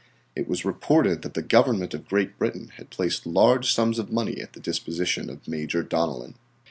It was reported that the Government of Great Britain had placed large sums of money at the disposition of Major Donellan.